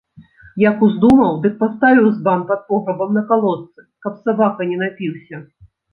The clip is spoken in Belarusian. Як уздумаў, дык паставіў збан пад пограбам на калодцы, каб сабака не напіўся.